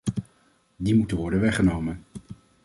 Die moeten worden weggenomen.